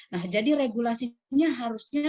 nah jadi regulasinya harusnya